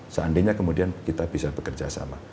seandainya kemudian kita bisa bekerjasama